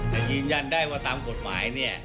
จะยืนยันได้ว่าตามกฎหมาย